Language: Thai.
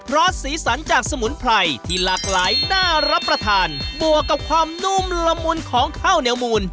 อสสีสันจากสมุนไพรที่หลากหลายน่ารับประทานบวกกับความนุ่มละมุนของข้าวเหนียวมูล